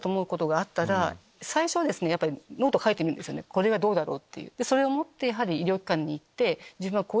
これはどうだろう？って。